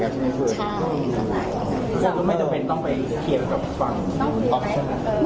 แบบเคลียร์กับชาวเด็ดกลางตอนนี้แหละ